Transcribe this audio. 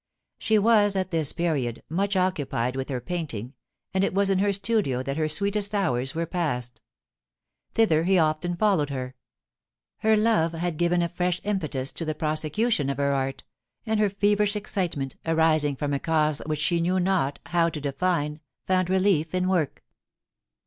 She was at this period much occupied with her painting, and it was in her studio that her sweetest hours were passed. Thither he often followed her. Her love had given a fresh impetus to the prosecution of her ait, and her feverish ex citement, arising from a cause which she knew not how to define, found relief in work.